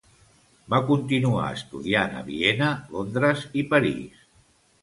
Va continuar estudiant a Viena, Londres i París.